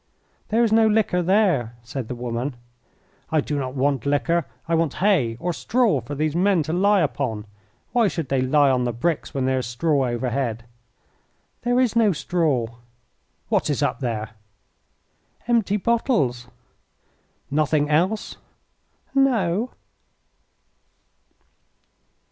"There is no liquor there," said the woman. "I do not want liquor; I want hay or straw for these men to lie upon. Why should they lie on the bricks when there is straw overhead?" "There is no straw." "What is up there?" "Empty bottles." "Nothing else?" "No."